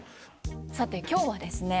さて今日はですね